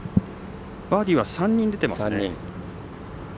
バーディーは３人出ていますね。